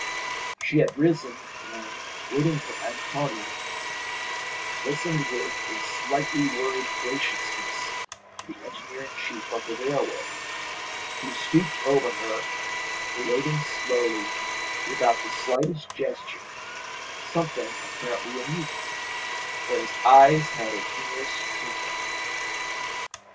She had risen, and, waiting for Antonia, listened with a slightly worried graciousness to the engineer in chief of the railway, who stooped over her, relating slowly, without the slightest gesture, something apparently amusing, for his eyes had a humorous twinkle.